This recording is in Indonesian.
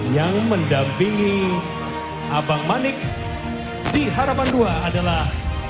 yang mendampingi abang manik di harapan dua adalah